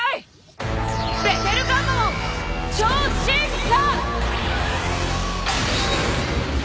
ベテルガンマモン超進化！